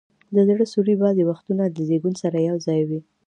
د زړه سوري بعضي وختونه له زیږون سره یو ځای وي.